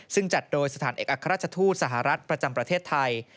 ซึ่งจัดโดยสถานเอกอัครราชทูตสหรัฐประจำประเทศไทย